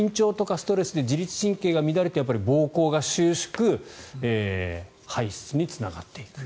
ストレスで自律神経が乱れて膀胱が収縮排出につながっていく。